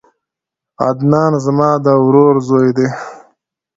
عدنان زما د ورور زوی دی